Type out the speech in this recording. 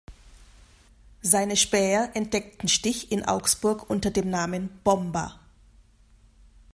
Seine Späher entdeckten Stich in Augsburg unter dem Namen „Bomba“.